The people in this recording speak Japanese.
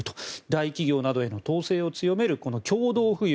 大企業などへの統制を強める共同富裕